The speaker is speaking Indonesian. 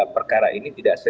perkara ini tidak segera